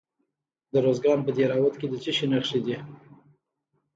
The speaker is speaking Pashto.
د ارزګان په دهراوود کې د څه شي نښې دي؟